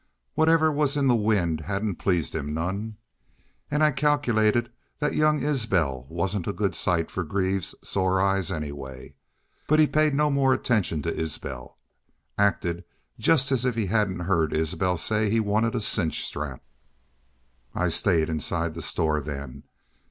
Whatever was in the wind hedn't pleased him none. An' I calkilated thet young Isbel wasn't a sight good fer Greaves' sore eyes, anyway. But he paid no more attention to Isbel. Acted jest as if he hedn't heerd Isbel say he wanted a cinch strap. "I stayed inside the store then.